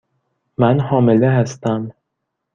من حامله هستم.